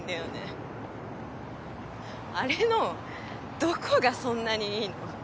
あれのどこがそんなにいいの？